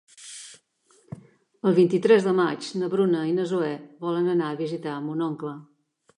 El vint-i-tres de maig na Bruna i na Zoè volen anar a visitar mon oncle.